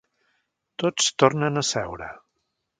Tots tornen a seure.